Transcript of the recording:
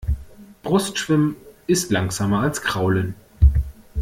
Brustschwimmen ist langsamer als Kraulen.